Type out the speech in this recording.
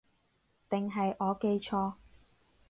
定係我記錯